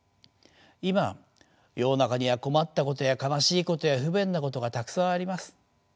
今世の中には困ったことや悲しいことや不便なことがたくさんあります。